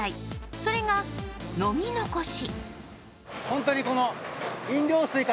それが飲み残し。